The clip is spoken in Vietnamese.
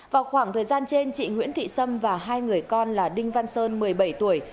vào khoảng thời gian trên chị nguyễn thị sâm và hai người con là đinh văn sơn một mươi bảy tuổi